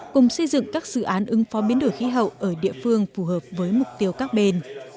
cùng xây dựng các dự án ứng phó biến đổi khí hậu ở địa phương phù hợp với mục tiêu các bên